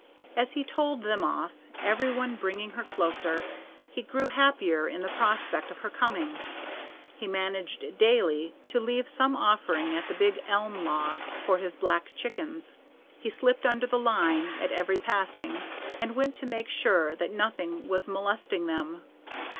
As he told them off, every one bringing her closer, he grew happier in the prospect of her coming. He managed daily to leave some offering at the big elm log for his black chickens. He slipped under the line at every passing, and went to make sure that nothing was molesting them.